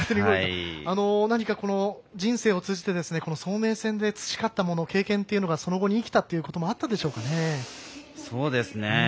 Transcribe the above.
何か人生を通じて早明戦で培ったもの経験がその後に生きたということがあったでしょうか。